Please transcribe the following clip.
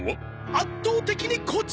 圧倒的にこちらです！